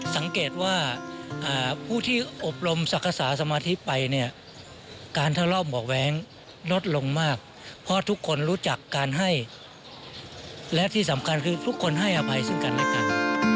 สังเกตว่าผู้ที่อบรมศักษาสมาธิไปเนี่ยการทะเลาะเบาะแว้งลดลงมากเพราะทุกคนรู้จักการให้และที่สำคัญคือทุกคนให้อภัยซึ่งกันและกัน